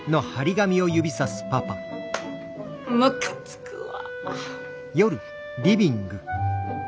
ムカつくわ！